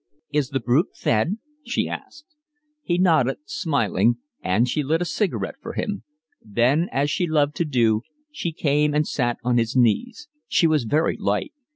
"Is the brute fed?" she asked. He nodded, smiling; and she lit a cigarette for him. Then, as she loved to do, she came and sat on his knees. She was very light.